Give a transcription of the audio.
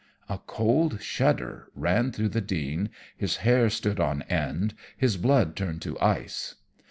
A cold shudder ran through the Dean, his hair stood on end, his blood turned to ice.